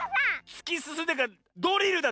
つきすすんでるからドリルだ！